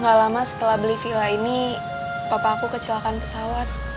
gak lama setelah beli villa ini papa aku kecelakaan pesawat